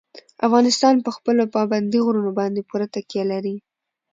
افغانستان په خپلو پابندي غرونو باندې پوره تکیه لري.